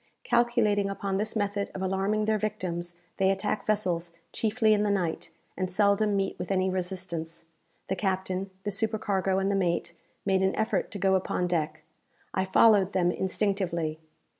Calculating upon this method of alarming their victims, they attack vessels chiefly in the night, and seldom meet with any resistance. The captain, the supercargo, and the mate, made an effort to go upon deck. I followed them instinctively.